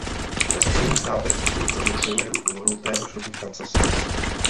Ve Spojených státech okruh zažil premiéru v únoru téhož roku v Kansas City.